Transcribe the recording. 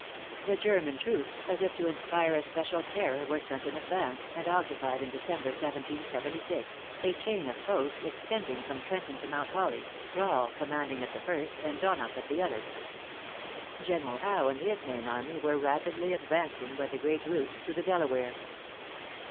The German troops, as if to inspire especial terror, were sent in advance, and occupied, in December, 1776, a chain of posts extending from Trenton to Mount Holly, Rhal commanding at the first, and Donop at the other. General Howe, and his main army, were rapidly advancing by the great route to the Delaware.